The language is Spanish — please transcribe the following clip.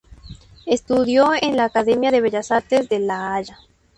Estudió en la Academia de Bellas Artes de La Haya.